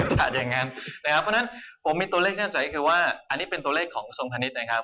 เพราะฉะนั้นผมมีตัวเลขแน่ใจคือว่าอันนี้เป็นตัวเลขของกุศงภัณฑ์นะครับ